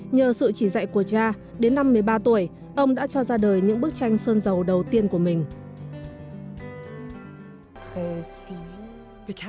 nhờ sự chỉ dạy của cha đến năm một mươi ba tuổi ông đã cho ra đời những bức tranh sơn dầu đầu tiên của mình